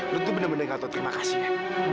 lu tuh bener bener gak tau terima kasih ya